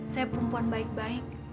saya perempuan baik baik